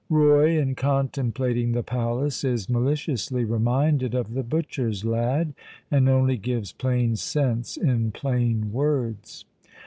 Roy, in contemplating the palace, is maliciously reminded of the butcher's lad, and only gives plain sense in plain words.